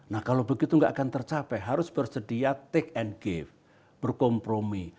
nah kalau begitu nggak akan tercapai harus bersedia take and give berkompromi